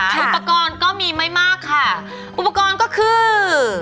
อุปกรณ์ก็มีไม่มากค่ะอุปกรณ์ก็คือ